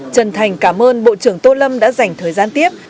trần thành cảm ơn bộ trưởng tô lâm đã dành thời gian tiếp